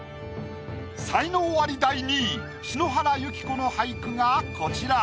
才能アリ第２位篠原ゆき子の俳句がこちら。